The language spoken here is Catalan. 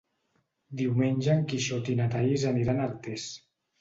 Diumenge en Quixot i na Thaís aniran a Artés.